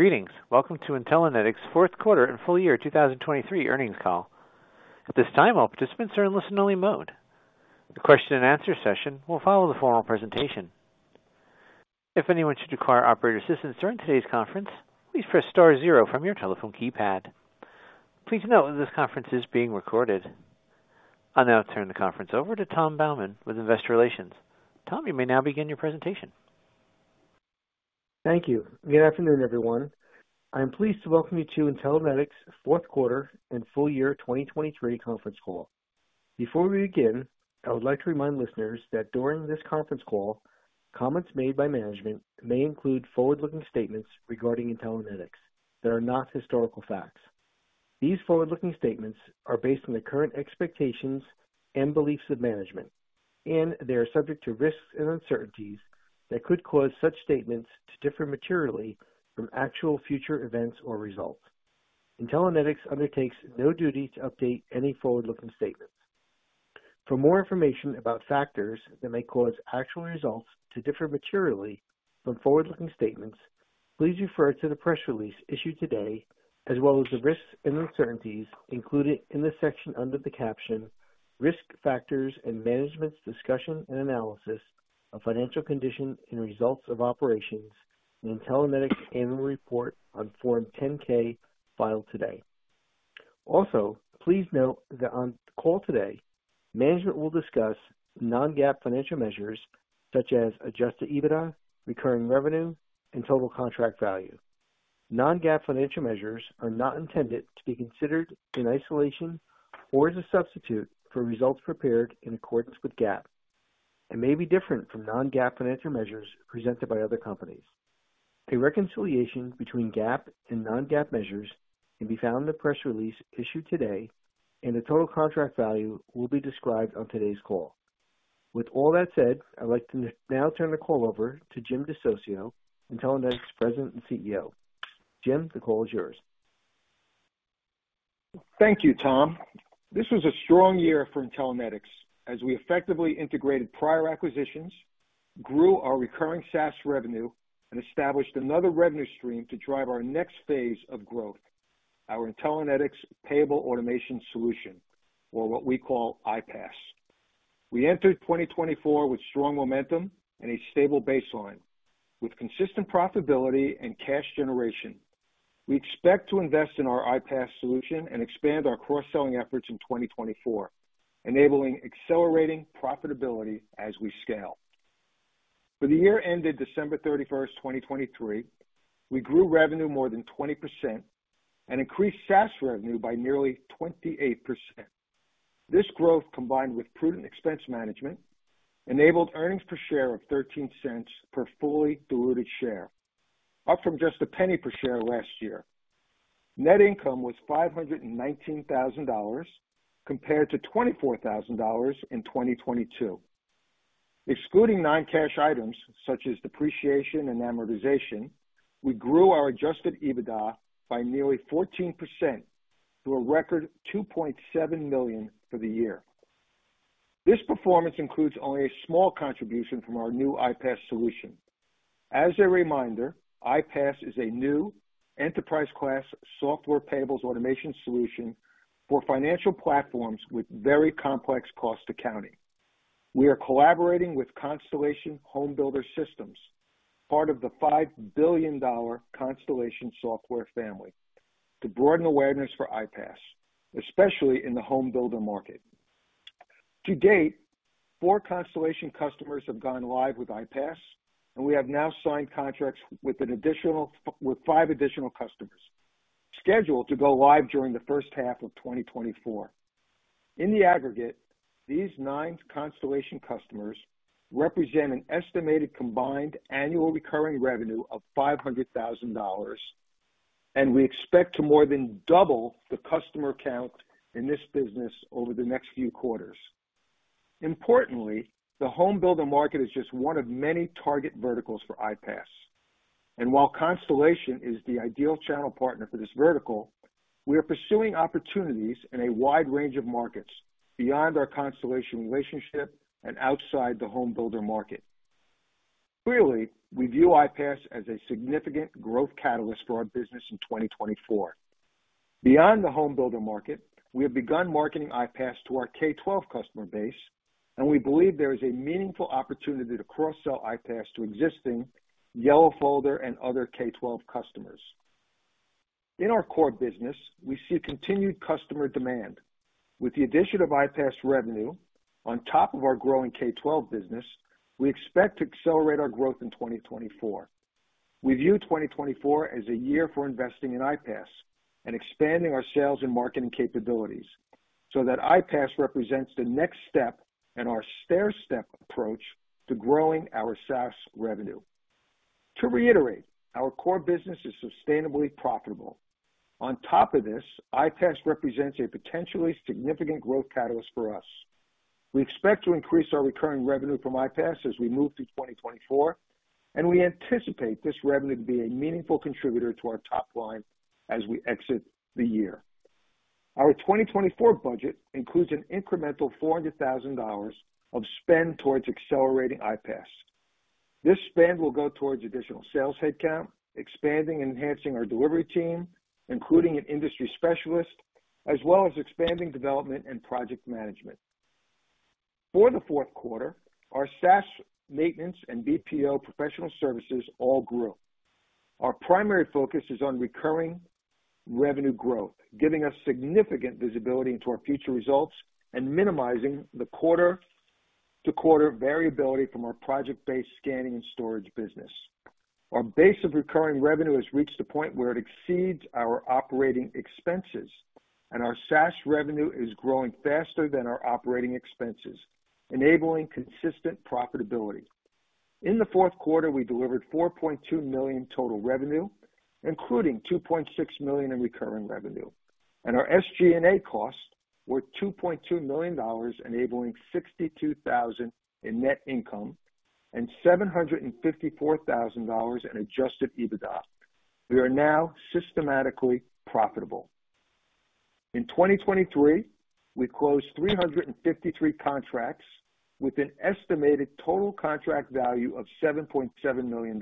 Greetings. Welcome to Intellinetics fourth quarter and full year 2023 earnings call. At this time, all participants are in listen-only mode. The question-and-answer session will follow the formal presentation. If anyone should require operator assistance during today's conference, please press star zero from your telephone keypad. Please note that this conference is being recorded. I'll now turn the conference over to Tom Baumann with Investor Relations. Tom, you may now begin your presentation. Thank you. Good afternoon, everyone. I am pleased to welcome you to Intellinetics fourth quarter and full year 2023 conference call. Before we begin, I would like to remind listeners that during this conference call, comments made by management may include forward-looking statements regarding Intellinetics that are not historical facts. These forward-looking statements are based on the current expectations and beliefs of management, and they are subject to risks and uncertainties that could cause such statements to differ materially from actual future events or results. Intellinetics undertakes no duty to update any forward-looking statements. For more information about factors that may cause actual results to differ materially from forward-looking statements, please refer to the press release issued today as well as the risks and uncertainties included in the section under the caption, "Risk Factors and Management's Discussion and Analysis of Financial Condition and Results of Operations in Intellinetics Annual Report on Form 10-K Filed Today." Also, please note that on the call today, management will discuss non-GAAP financial measures such as adjusted EBITDA, recurring revenue, and total contract value. Non-GAAP financial measures are not intended to be considered in isolation or as a substitute for results prepared in accordance with GAAP and may be different from non-GAAP financial measures presented by other companies. A reconciliation between GAAP and non-GAAP measures can be found in the press release issued today, and the total contract value will be described on today's call. With all that said, I'd like to now turn the call over to Jim DeSocio, Intellinetics' President and CEO. Jim, the call is yours. Thank you, Tom. This was a strong year for Intellinetics as we effectively integrated prior acquisitions, grew our recurring SaaS revenue, and established another revenue stream to drive our next phase of growth, our Intellinetics Payables Automation Solution, or what we call IPAS. We entered 2024 with strong momentum and a stable baseline, with consistent profitability and cash generation. We expect to invest in our IPAS solution and expand our cross-selling efforts in 2024, enabling accelerating profitability as we scale. For the year ended December 31st, 2023, we grew revenue more than 20% and increased SaaS revenue by nearly 28%. This growth, combined with prudent expense management, enabled earnings per share of $0.13 per fully diluted share, up from just $0.01 per share last year. Net income was $519,000 compared to $24,000 in 2022. Excluding non-cash items such as depreciation and amortization, we grew our adjusted EBITDA by nearly 14% to a record $2.7 million for the year. This performance includes only a small contribution from our new IPAS solution. As a reminder, IPAS is a new enterprise-class software payables automation solution for financial platforms with very complex cost accounting. We are collaborating with Constellation HomeBuilder Systems, part of the $5 billion Constellation Software family, to broaden awareness for IPAS, especially in the home builder market. To date, four Constellation customers have gone live with IPAS, and we have now signed contracts with five additional customers scheduled to go live during the first half of 2024. In the aggregate, these nine Constellation customers represent an estimated combined annual recurring revenue of $500,000, and we expect to more than double the customer count in this business over the next few quarters. Importantly, the home builder market is just one of many target verticals for IPAS. And while Constellation is the ideal channel partner for this vertical, we are pursuing opportunities in a wide range of markets beyond our Constellation relationship and outside the home builder market. Clearly, we view IPAS as a significant growth catalyst for our business in 2024. Beyond the home builder market, we have begun marketing IPAS to our K-12 customer base, and we believe there is a meaningful opportunity to cross-sell IPAS to existing Yellow Folder and other K-12 customers. In our core business, we see continued customer demand. With the addition of IPAS revenue on top of our growing K-12 business, we expect to accelerate our growth in 2024. We view 2024 as a year for investing in IPAS and expanding our sales and marketing capabilities so that IPAS represents the next step in our stair-step approach to growing our SaaS revenue. To reiterate, our core business is sustainably profitable. On top of this, IPAS represents a potentially significant growth catalyst for us. We expect to increase our recurring revenue from IPAS as we move through 2024, and we anticipate this revenue to be a meaningful contributor to our top line as we exit the year. Our 2024 budget includes an incremental $400,000 of spend towards accelerating IPAS. This spend will go towards additional sales headcount, expanding and enhancing our delivery team, including an industry specialist, as well as expanding development and project management. For the fourth quarter, our SaaS maintenance and BPO professional services all grew. Our primary focus is on recurring revenue growth, giving us significant visibility into our future results and minimizing the quarter-to-quarter variability from our project-based scanning and storage business. Our base of recurring revenue has reached a point where it exceeds our operating expenses, and our SaaS revenue is growing faster than our operating expenses, enabling consistent profitability. In the fourth quarter, we delivered $4.2 million total revenue, including $2.6 million in recurring revenue. Our SG&A costs were $2.2 million, enabling $62,000 in net income and $754,000 in Adjusted EBITDA. We are now systematically profitable. In 2023, we closed 353 contracts with an estimated total contract value of $7.7 million.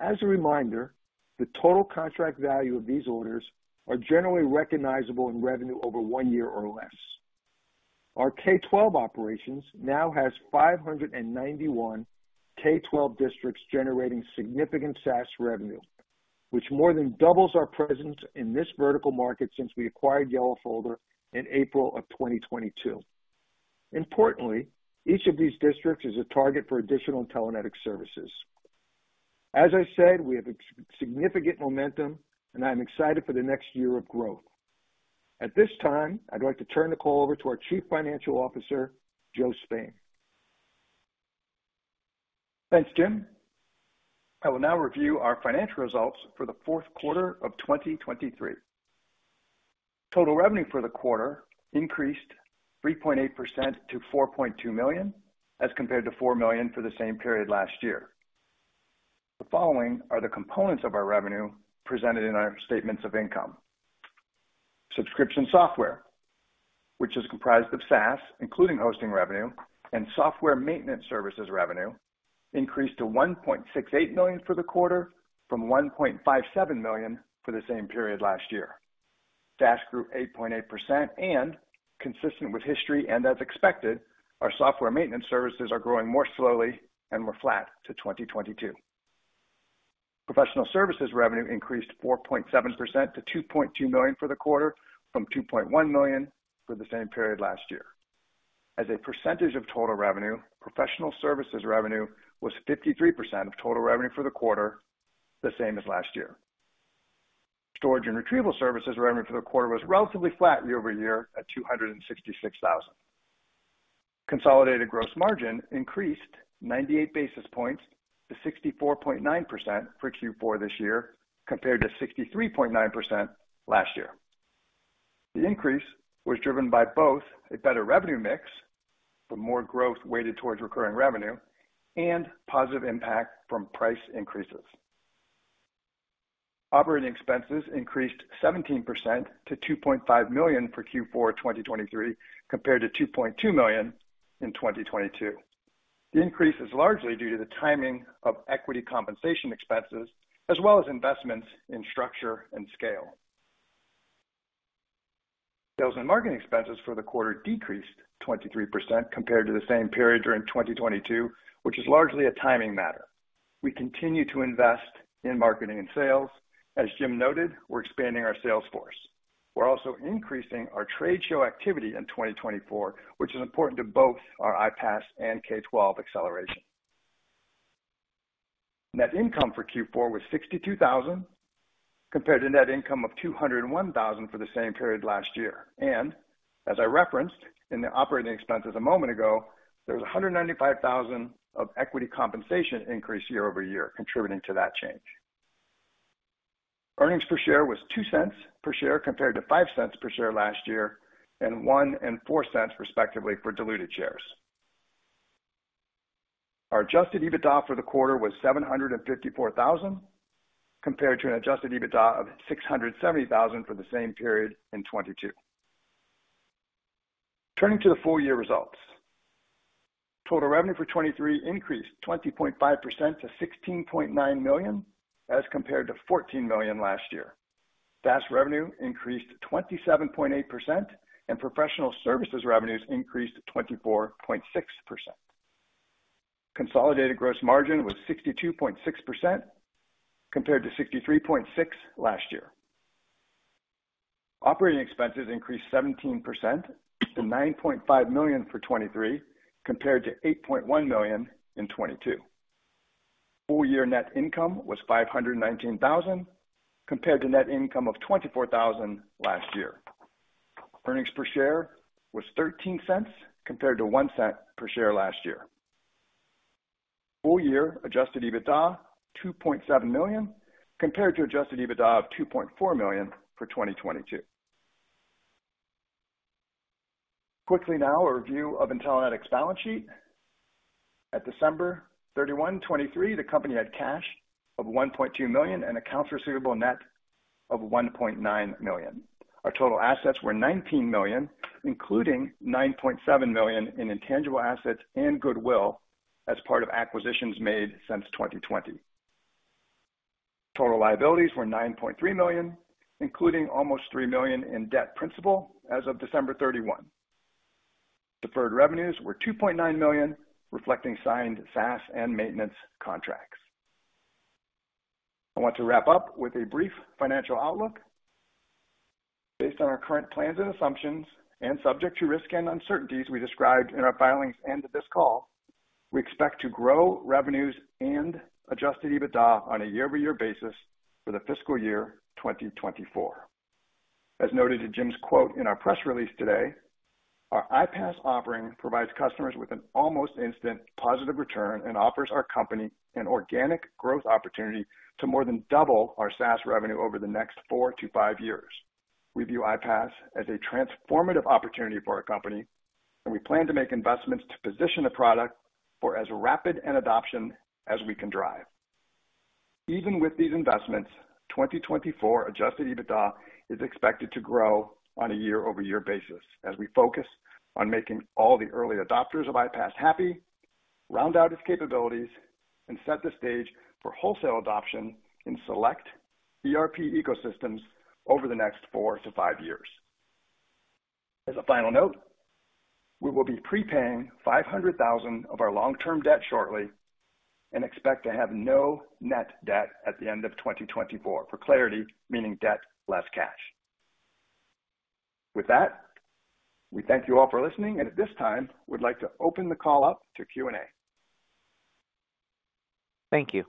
As a reminder, the total contract value of these orders is generally recognizable in revenue over one year or less. Our K-12 operations now have 591 K-12 districts generating significant SaaS revenue, which more than doubles our presence in this vertical market since we acquired Yellow Folder in April of 2022. Importantly, each of these districts is a target for additional Intellinetics services. As I said, we have significant momentum, and I am excited for the next year of growth. At this time, I'd like to turn the call over to our Chief Financial Officer, Joe Spain. Thanks, Jim. I will now review our financial results for the fourth quarter of 2023. Total revenue for the quarter increased 3.8% to $4.2 million as compared to $4 million for the same period last year. The following are the components of our revenue presented in our statements of income. Subscription software, which is comprised of SaaS, including hosting revenue, and software maintenance services revenue, increased to $1.68 million for the quarter from $1.57 million for the same period last year. SaaS grew 8.8%, and consistent with history and as expected, our software maintenance services are growing more slowly and more flat to 2022. Professional services revenue increased 4.7% to $2.2 million for the quarter from $2.1 million for the same period last year. As a percentage of total revenue, professional services revenue was 53% of total revenue for the quarter, the same as last year. Storage and retrieval services revenue for the quarter was relatively flat year over year at $266,000. Consolidated gross margin increased 98 basis points to 64.9% for Q4 this year compared to 63.9% last year. The increase was driven by both a better revenue mix from more growth weighted towards recurring revenue and positive impact from price increases. Operating expenses increased 17% to $2.5 million for Q4 2023 compared to $2.2 million in 2022. The increase is largely due to the timing of equity compensation expenses as well as investments in structure and scale. Sales and marketing expenses for the quarter decreased 23% compared to the same period during 2022, which is largely a timing matter. We continue to invest in marketing and sales. As Jim noted, we're expanding our sales force. We're also increasing our trade show activity in 2024, which is important to both our IPAS and K-12 acceleration. Net income for Q4 was $62,000 compared to net income of $201,000 for the same period last year. And as I referenced in the operating expenses a moment ago, there was $195,000 of equity compensation increase year-over-year, contributing to that change. Earnings per share was $0.02 per share compared to $0.05 per share last year and $0.01 and $0.04 respectively for diluted shares. Our Adjusted EBITDA for the quarter was $754,000 compared to an Adjusted EBITDA of $670,000 for the same period in 2022. Turning to the full-year results, total revenue for 2023 increased 20.5% to $16.9 million as compared to $14 million last year. SaaS revenue increased 27.8%, and professional services revenues increased 24.6%. Consolidated gross margin was 62.6% compared to 63.6% last year. Operating expenses increased 17% to $9.5 million for 2023 compared to $8.1 million in 2022. Full-year net income was $519,000 compared to net income of $24,000 last year. Earnings per share was $0.13 compared to $0.01 per share last year. Full year adjusted EBITDA $2.7 million compared to adjusted EBITDA of $2.4 million for 2022. Quickly now, a review of Intellinetics balance sheet. At December 31, 2023, the company had cash of $1.2 million and accounts receivable net of $1.9 million. Our total assets were $19 million, including $9.7 million in intangible assets and goodwill as part of acquisitions made since 2020. Total liabilities were $9.3 million, including almost $3 million in debt principal as of December 31. Deferred revenues were $2.9 million, reflecting signed SaaS and maintenance contracts. I want to wrap up with a brief financial outlook. Based on our current plans and assumptions and subject to risk and uncertainties we described in our filings end of this call, we expect to grow revenues and Adjusted EBITDA on a year-over-year basis for the fiscal year 2024. As noted in Jim's quote in our press release today, "Our IPAS offering provides customers with an almost instant positive return and offers our company an organic growth opportunity to more than double our SaaS revenue over the next 4-5 years. We view IPAS as a transformative opportunity for our company, and we plan to make investments to position the product for as rapid an adoption as we can drive." Even with these investments, 2024 Adjusted EBITDA is expected to grow on a year-over-year basis as we focus on making all the early adopters of IPAS happy, round out its capabilities, and set the stage for wholesale adoption in select ERP ecosystems over the next four to five years. As a final note, we will be prepaying $500,000 of our long-term debt shortly and expect to have no net debt at the end of 2024. For clarity, meaning debt less cash. With that, we thank you all for listening, and at this time, would like to open the call up to Q&A. Thank you.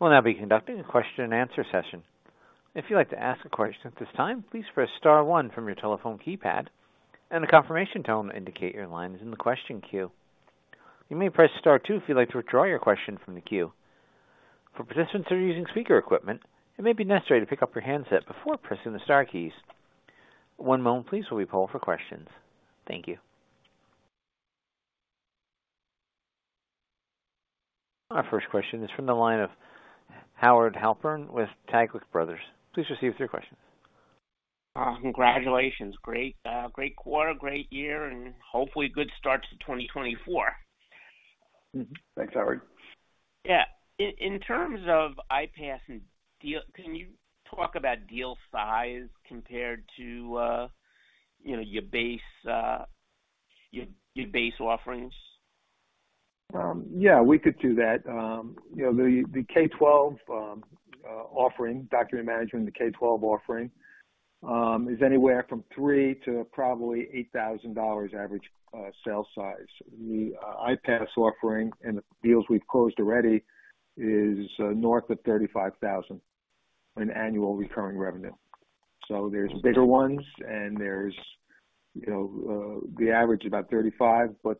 We'll now be conducting a question-and-answer session. If you'd like to ask a question at this time, please press star one from your telephone keypad, and the confirmation tone will indicate your line is in the question queue. You may press star two if you'd like to withdraw your question from the queue. For participants who are using speaker equipment, it may be necessary to pick up your handset before pressing the star keys. One moment, please, while we pull for questions. Thank you. Our first question is from the line of Howard Halpern with Taglich Brothers. Please receive three questions. Congratulations. Great quarter, great year, and hopefully good start to 2024. Thanks, Howard. Yeah. In terms of IPAS and deals, can you talk about deal size compared to your base offerings? Yeah, we could do that. The K-12 offering, document management, the K-12 offering is anywhere from $3 to probably $8,000 average sale size. The IPAS offering and the deals we've closed already is north of $35,000 in annual recurring revenue. So there's bigger ones, and there's the average is about $35,000, but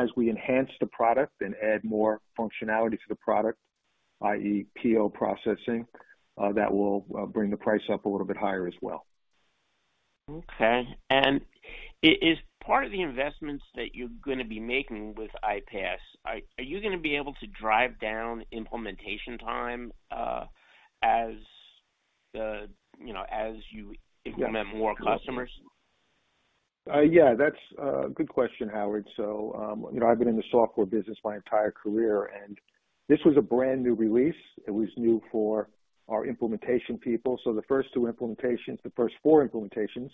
as we enhance the product and add more functionality to the product, i.e., PO processing, that will bring the price up a little bit higher as well. Okay. Is part of the investments that you're going to be making with IPAS, are you going to be able to drive down implementation time as you implement more customers? Yeah, that's a good question, Howard. So I've been in the software business my entire career, and this was a brand new release. It was new for our implementation people. So the first two implementations, the first four implementations,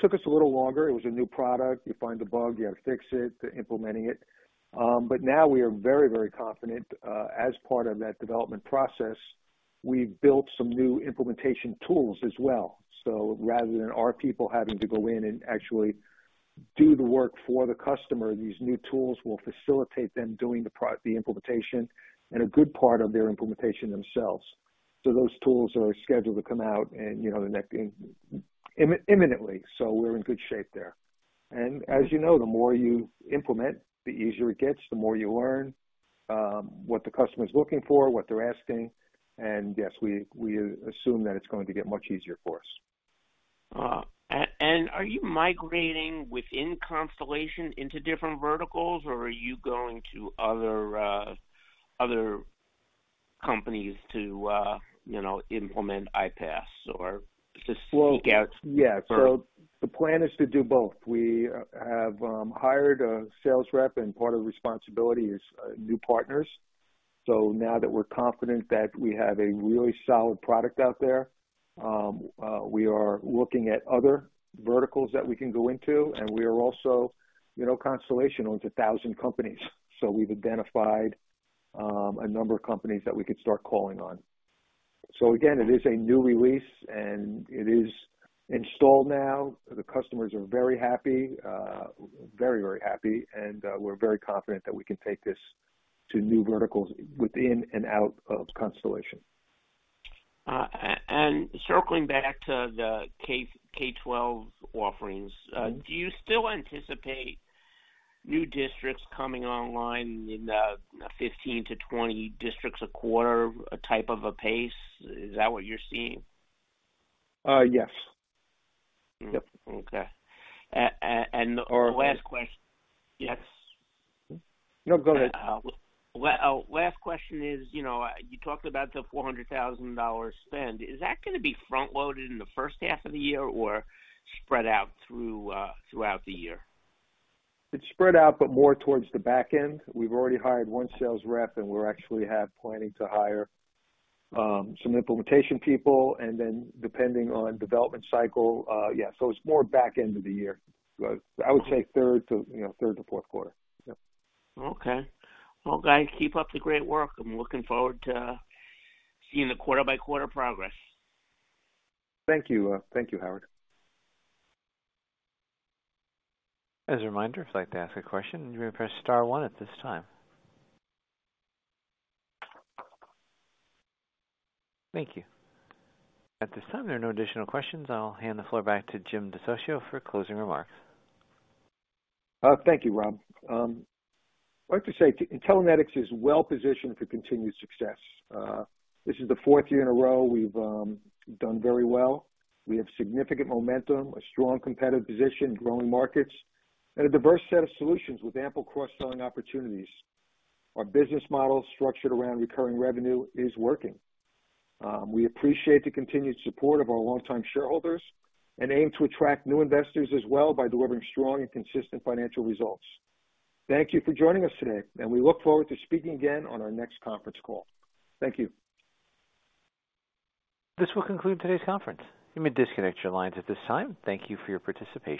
took us a little longer. It was a new product. You find a bug, you have to fix it, implementing it. But now we are very, very confident. As part of that development process, we've built some new implementation tools as well. So rather than our people having to go in and actually do the work for the customer, these new tools will facilitate them doing the implementation and a good part of their implementation themselves. So those tools are scheduled to come out imminently, so we're in good shape there. As you know, the more you implement, the easier it gets, the more you learn what the customer's looking for, what they're asking. Yes, we assume that it's going to get much easier for us. Are you migrating within Constellation into different verticals, or are you going to other companies to implement IPAS or to seek out? Yeah. So the plan is to do both. We have hired a sales rep, and part of the responsibility is new partners. So now that we're confident that we have a really solid product out there, we are looking at other verticals that we can go into, and we are also Constellation owns 1,000 companies. So we've identified a number of companies that we could start calling on. So again, it is a new release, and it is installed now. The customers are very happy, very, very happy, and we're very confident that we can take this to new verticals within and out of Constellation. Circling back to the K-12 offerings, do you still anticipate new districts coming online in 15-20 districts a quarter type of a pace? Is that what you're seeing? Yes. Yep. Okay. And the last question. Yes? No, go ahead. Last question is, you talked about the $400,000 spend. Is that going to be front-loaded in the first half of the year or spread out throughout the year? It's spread out but more towards the back end. We've already hired one sales rep, and we actually have planning to hire some implementation people. Then depending on development cycle, yeah, so it's more back end of the year. I would say third to fourth quarter. Okay. Well, guys, keep up the great work. I'm looking forward to seeing the quarter-by-quarter progress. Thank you. Thank you, Howard. As a reminder, if you'd like to ask a question, you may press star one at this time. Thank you. At this time, there are no additional questions. I'll hand the floor back to Jim DeSocio for closing remarks. Thank you, Rob. I'd like to say Intellinetics is well-positioned for continued success. This is the fourth year in a row we've done very well. We have significant momentum, a strong competitive position, growing markets, and a diverse set of solutions with ample cross-selling opportunities. Our business model structured around recurring revenue is working. We appreciate the continued support of our long-time shareholders and aim to attract new investors as well by delivering strong and consistent financial results. Thank you for joining us today, and we look forward to speaking again on our next conference call. Thank you. This will conclude today's conference. You may disconnect your lines at this time. Thank you for your participation.